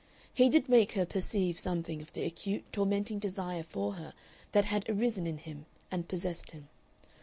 He did make her perceive something of the acute, tormenting desire for her that had arisen in him and possessed him.